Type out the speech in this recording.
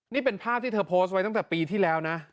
นี่เป็นภาพที่เธอโพสต์ไว้ตั้งแต่ปีที่แล้วนะ